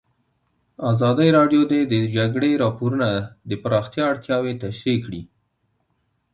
ازادي راډیو د د جګړې راپورونه د پراختیا اړتیاوې تشریح کړي.